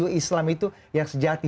islam itu yang sejati